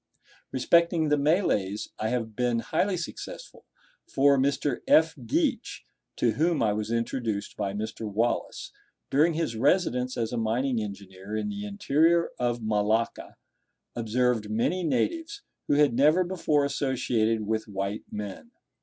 Respecting the Malays, I have been highly successful; for Mr. F. Geach (to whom I was introduced by Mr. Wallace), during his residence as a mining engineer in the interior of Malacca, observed many natives, who had never before associated with white men.